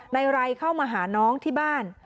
ไรเข้ามาหาน้องที่บ้าน